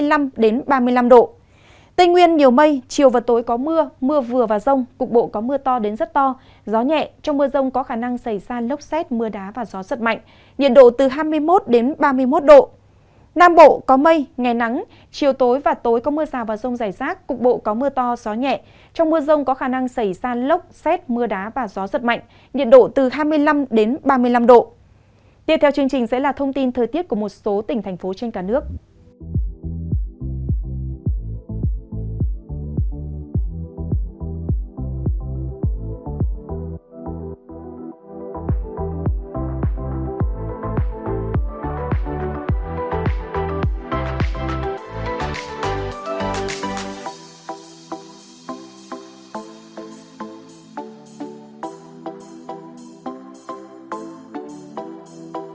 đà nẵng đến bình thuận phía bắc nhiều mây chiều và tối có mưa mưa vừa và rông cục bộ có mưa to đến rất to gió đông đến đông nam cấp hai cấp ba trong mưa rông có khả năng xảy ra lốc xét mưa đá và gió rất mạnh riêng chiều tối và tối có mưa rào và rông xảy rác cục bộ có mưa to gió đông đến đông nam cấp hai cấp ba trong mưa rông có khả năng xảy ra lốc xét mưa đá và gió rất mạnh riêng vùng ven biển có khả năng xảy ra lốc xét mưa đá và gió rất mạnh riêng vùng ven biển có